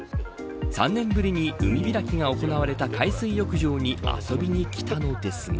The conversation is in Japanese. ３年ぶりに海開きが行われた海水浴場に遊びに来たのですが。